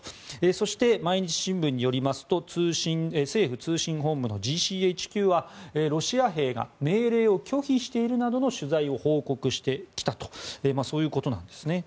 そして、毎日新聞によりますと政府通信本部のＧＣＨＱはロシア兵が命令を拒否しているなどの取材を報告してきたというそういうことなんですね。